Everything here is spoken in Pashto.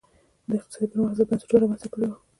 د اقتصادي پرمختګ ضد بنسټونه رامنځته کړي وو.